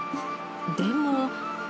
でも。